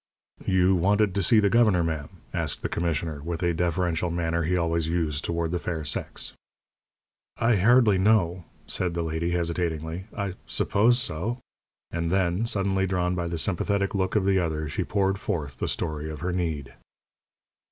"You wanted to see the governor, ma'am?" asked the commissioner, with a deferential manner he always used toward the fair sex. "I hardly know," said the lady, hesitatingly. "I suppose so." And then, suddenly drawn by the sympathetic look of the other, she poured forth the story of her need.